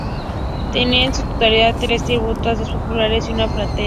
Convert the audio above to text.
Tenía en su totalidad tres tribunas: dos populares y una platea.